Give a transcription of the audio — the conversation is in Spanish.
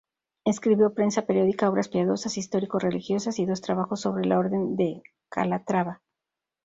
Escribió prensa periódica, obras piadosas, histórico-religiosas y dos trabajos sobre la Orden de Calatrava.